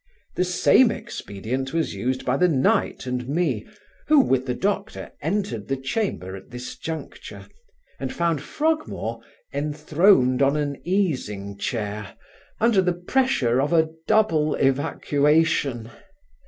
The same expedient was used by the knight and me, who, with the doctor, entered the chamber at this juncture, and found Frogmore enthroned on an easing chair, under the pressure of a double evacuation.